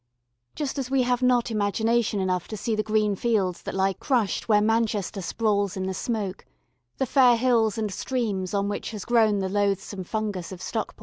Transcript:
Just as we have not imagination enough to see the green fields that lie crushed where Manchester sprawls in the smoke the fair hills and streams on which has grown the loathsome fungus of Stockport.